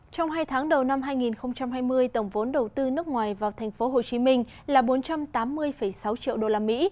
trong hai tháng đầu năm hai nghìn hai mươi tổng vốn đầu tư nước ngoài vào thành phố hồ chí minh là bốn trăm tám mươi sáu triệu đô la mỹ